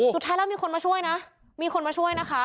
สุดท้ายแล้วมีคนมาช่วยนะมีคนมาช่วยนะคะ